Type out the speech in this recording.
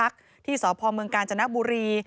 ไว้ในลิ้นชักที่สอบพอร์เมืองกาญจนกบุรี